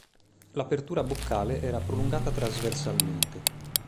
L'apertura boccale era prolungata trasversalmente.